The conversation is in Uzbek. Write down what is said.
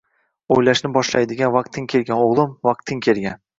Oʻylashni boshlaydigan vaqting kelgan, oʻgʻlim, vaqting kelgan.